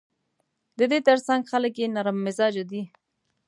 د دې ترڅنګ خلک یې نرم مزاجه دي.